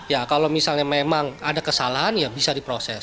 ya kalau misalnya memang ada kesalahan ya bisa diproses